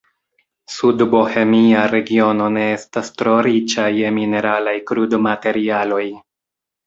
Sudbohemia Regiono ne estas tro riĉa je mineralaj krudmaterialoj.